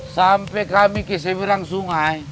sampai kami ke seberang sungai